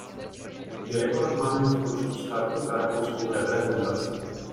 Je rekordmanem v počtu startů za rakouskou reprezentaci.